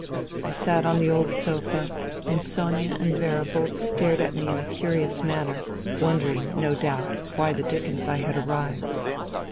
I sat on the old sofa, and Sonia and Vera both stared at me in a curious manner, wondering, no doubt, why the dickens I had arrived.